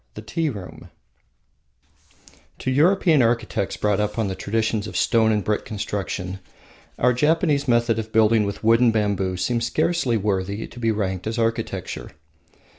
The Tea Room To European architects brought up on the traditions of stone and brick construction, our Japanese method of building with wood and bamboo seems scarcely worthy to be ranked as architecture.